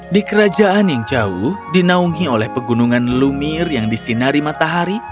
di kerajaan yang jauh dinaungi oleh pegunungan lumir yang disinari matahari